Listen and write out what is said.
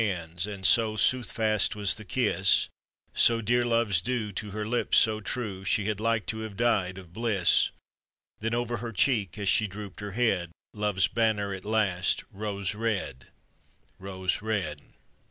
hands, And so soothfast was the kiss — So dear love's due to her lips so true — She had like to have died of bliss ; Then over her cheek as she drooped her head, Loves banner at last rose red, rose red.